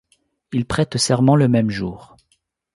Il prête serment le même jour.